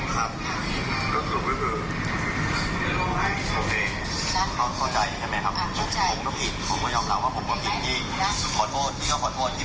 ช่วงร้อนธรรมดานี่ก็ตกใจไม่อยากแบบตอนที่ผมยืนตรงข้างใจ